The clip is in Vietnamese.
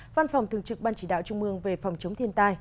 văn phòng thường trực ban chỉ đạo trung mương về phòng chống thiên tai